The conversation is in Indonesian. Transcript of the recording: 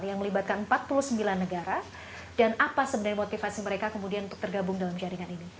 yang melibatkan empat puluh sembilan negara dan apa sebenarnya motivasi mereka kemudian untuk tergabung dalam jaringan ini